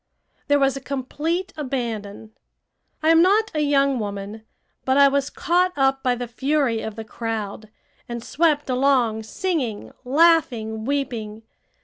There was a complete abandon. I am not a young woman, but I was caught up by the fury of the crowd, and swept along singing, laughing, weeping.